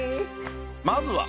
まずは。